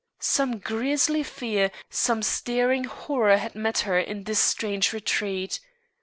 Some grisly fear, some staring horror had met her in this strange retreat.